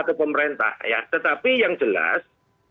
ke pemerintah ya tetapi yang jelas